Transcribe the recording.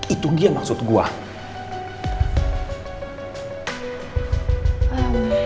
itu dia maksud gue